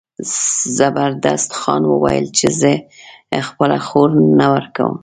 زبردست خان وویل چې زه خپله خور نه ورکوم.